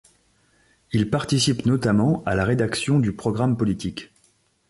Il participe notamment à la rédaction du programme politique.